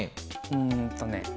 うんとね